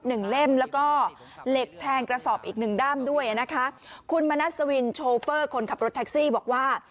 เล่มแล้วก็เหล็กแทงกระสอบอีกหนึ่งด้ามด้วยนะคะคุณมณัสวินโชเฟอร์คนขับรถแท็กซี่บอกว่า